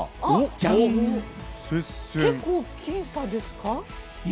結構、僅差ですか？